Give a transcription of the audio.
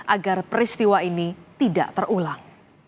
agar peristiwa ini tidak terulang